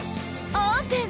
オープン！